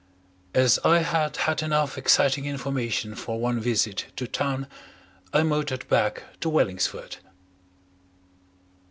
As I had had enough exciting information for one visit to town, I motored back to Wellingsford.